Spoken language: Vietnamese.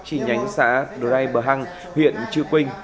chỉ nhánh xã drei bờ hăng huyện chư quynh